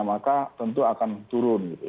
maka tentu akan turun gitu